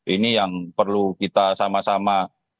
ini yang perlu kita sama sama